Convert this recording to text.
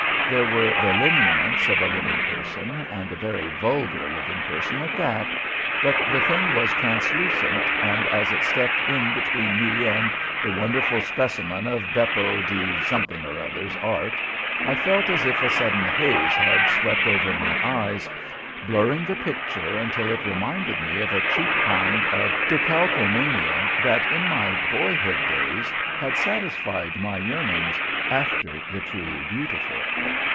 There were the lineaments of a living person, and a very vulgar living person at that, but the thing was translucent, and as it stepped in between me and the wonderful specimen of Beppo di Somethingorother's art I felt as if a sudden haze had swept over my eyes, blurring the picture until it reminded me of a cheap kind of decalcomania that in my boyhood days had satisfied my yearnings after the truly beautiful.